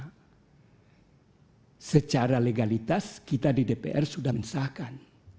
karena secara legalitas kita di dpr sudah mensahkan